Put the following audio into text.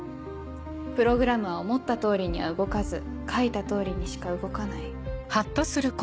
プログラムは思った通りには動かず書いた通りにしか動かない。